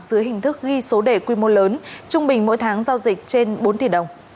dưới hình thức ghi số đề quy mô lớn trung bình mỗi tháng giao dịch trên bốn tỷ đồng